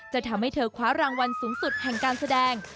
จะทำให้เธอคว้ารางวัลสูงสุดแห่งการแสดง